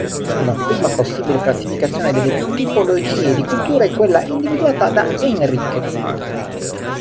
Una prima possibile classificazione delle tipologie di cultura è quella individuata da Enriquez.